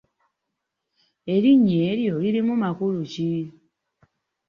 Erinnya eryo lirimu makulu ki?